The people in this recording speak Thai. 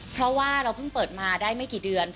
เพราะว่าเราเพิ่งเปิดมาได้ไม่กี่เดือน